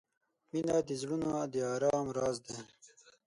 • مینه د زړونو د آرام راز دی.